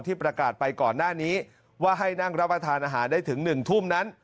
ประกาศไปก่อนหน้านี้ว่าให้นั่งรับประทานอาหารได้ถึง๑ทุ่มนั้น